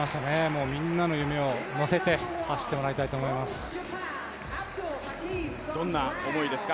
もうみんなの夢を乗せて走ってもらいたいと思います。